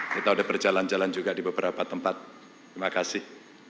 kita sudah berjalan jalan juga di beberapa tempat terima kasih